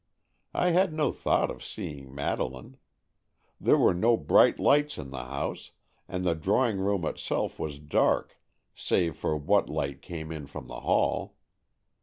I had no thought of seeing Madeleine. There were no bright lights in the house, and the drawing room itself was dark save for what light came in from the hall.